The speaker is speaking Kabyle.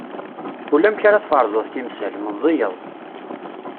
Ulamek ara tferẓeḍ timsal, meẓẓiyeḍ.